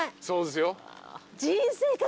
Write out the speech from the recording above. そうですよ。